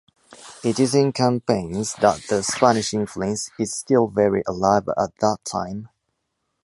It is in campaigns that the Spanish influence is still very alive at that time.